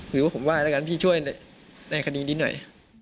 เฮ้ยว่าผมว่ากังลับละกันพี่ช่วยในคณิตดีหน่อย